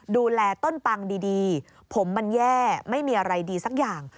ดูแลต้นปังดีผมมันแย่ไม่มีอะไรดีสักอย่าง